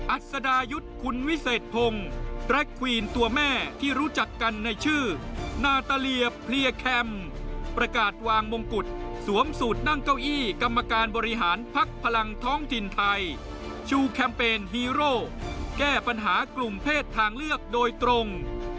อัศดายุทธ์คุณวิเศษพงศ์แร็กควีนตัวแม่ที่รู้จักกันในชื่อนาตาเลียเพลียแคมป์ประกาศวางมงกุฎสวมสูตรนั่งเก้าอี้กรรมการบริหารพักพลังท้องถิ่นไทยชูแคมเปญฮีโร่แก้ปัญหากลุ่มเพศทางเลือกโดยตรง